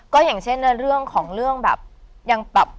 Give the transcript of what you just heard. ก็อย่างเช่นเรื่องของเรื่องแบบ